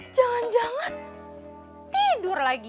jangan jangan tidur lagi